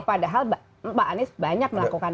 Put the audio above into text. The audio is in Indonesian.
padahal pak anies banyak melakukan